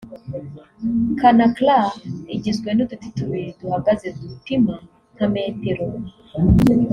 Kanakra igizwe n’uduti tubiri duhagaze dupima nka metero